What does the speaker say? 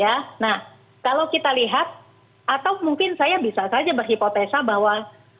ya nah kalau kita lihat atau mungkin saya bisa saja berhipotesa bahwa